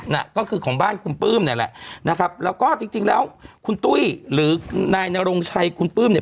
น่ะก็คือของบ้านคุณปลื้มเนี่ยแหละนะครับแล้วก็จริงจริงแล้วคุณตุ้ยหรือนายนรงชัยคุณปลื้มเนี่ย